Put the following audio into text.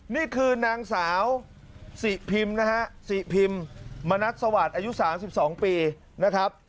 นี่คือนางสาวสิพิมพ์นะฮะสิพิมพ์มณัฐสวัสดิ์อายุ๓๒ปีนะครับ